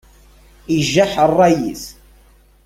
Ijaḥ ṛṛay-is.